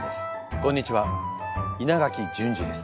こんにちは稲垣淳二です。